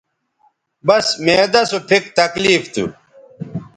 بس معدہ سو پھک تکلیف تھو